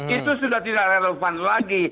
itu sudah tidak relevan lagi